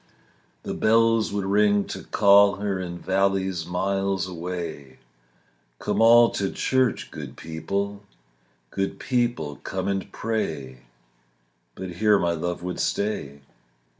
The bells would ring to call her In valleys miles away: "Come all to church, good people; Good people, come and pray." But here my love would stay.